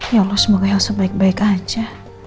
ya allah semoga elsa baik baik aja